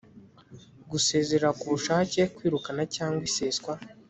gusezera ku bushake kwirukana cyangwa iseswa